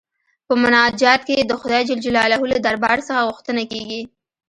په مناجات کې د خدای جل جلاله له دربار څخه غوښتنه کيږي.